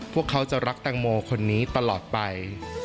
พวกเขาจะรักแตงโมคนนี้ตลอดไป